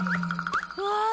うわ！